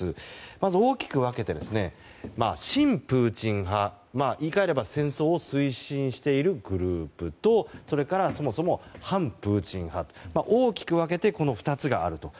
まず大きく分けて、親プーチン派言い換えれば戦争を推進しているグループとそれから、そもそも反プーチン派大きく分けてこの２つがあると。